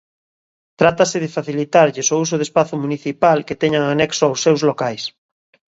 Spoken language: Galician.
Trátase de facilitarlles o uso de espazo municipal que teñan anexo aos seus locais.